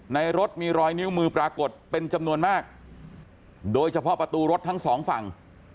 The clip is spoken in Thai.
ในรถมีรอยนิ้วมือปรากฏเป็นจำนวนมากโดยเฉพาะประตูรถทั้งสองฝั่ง